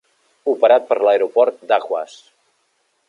Operat per l'Aeroport d'Ahuas